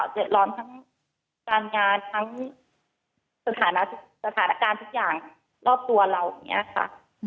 เดือดร้อนทั้งการงานทั้งสถานการณ์ทุกอย่างรอบตัวเราอย่างนี้ค่ะ